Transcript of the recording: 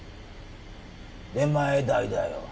出前代だよ